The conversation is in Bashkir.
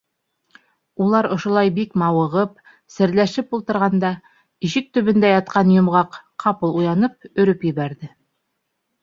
Улар ошолай бик мауығып, серләшеп ултырғанда, ишек төбөндә ятҡан Йомғаҡ, ҡапыл уянып, өрөп ебәрҙе.